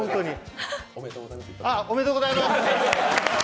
ああ、おめでとうございます！